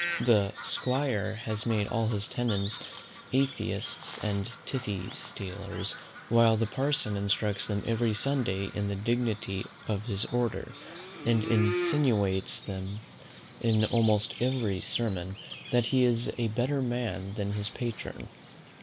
The 'squire has made all his tenants atheists and tithe stealers; while the Parson instructs them every Sunday in the dignity of his order, and insinuates to them in almost every sermon, that he is a better man than his patron.